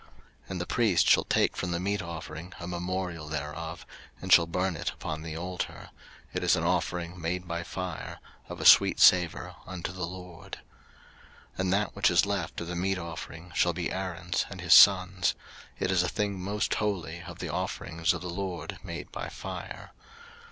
03:002:009 And the priest shall take from the meat offering a memorial thereof, and shall burn it upon the altar: it is an offering made by fire, of a sweet savour unto the LORD. 03:002:010 And that which is left of the meat offering shall be Aaron's and his sons': it is a thing most holy of the offerings of the LORD made by fire.